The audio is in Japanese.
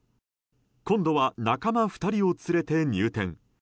今度は仲間２人を連れて入店。